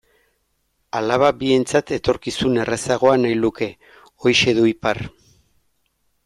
Alaba bientzat etorkizun errazagoa nahi luke, horixe du ipar.